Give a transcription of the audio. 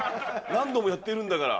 何度もやっているんだから。